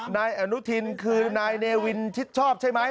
นายอนุทินคือนายเนวินชิดชอบใช่ไหม